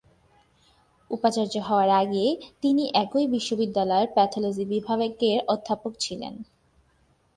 উপাচার্য হওয়ার আগে তিনি একই বিশ্ববিদ্যালয়ের প্যাথলজি বিভাগের অধ্যাপক ছিলেন।